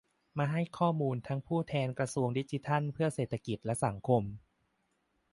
มาให้ข้อมูลทั้งผู้แทนกระทรวงดิจิทัลเพื่อเศรษฐกิจและสังคม